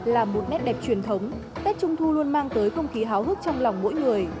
là một nét đẹp truyền thống tết trung thu luôn mang tới không khí háo hức trong lòng mỗi người